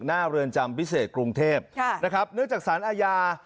เรือนจำพิเศษกรุงเทพนะครับเนื่องจากสารอาญา